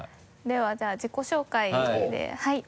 ではじゃあ自己紹介ではい。